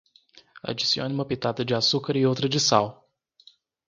Adicione uma pitada de açúcar e outra de sal.